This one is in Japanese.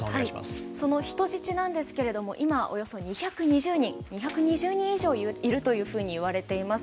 その人質ですが今、およそ２２０人以上いるといわれています。